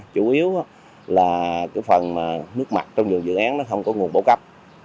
chủ yếu là cái phần nước mặt trong vườn dự án nó không có nguồn bổ cấp